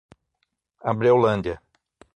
Abreulândia